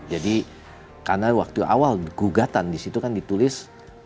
jadi karena waktu awal gugatan di situ kan ditulis